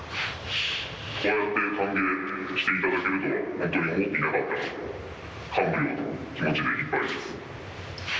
こうやって歓迎していただけるとは、本当に思っていなかったので、感無量の気持ちでいっぱいです。